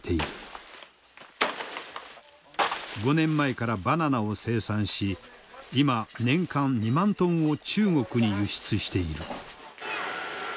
５年前からバナナを生産し今年間２万トンを中国に輸出している。